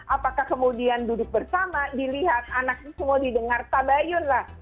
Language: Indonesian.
apakah kemudian duduk bersama dilihat anak semua didengar tabayun lah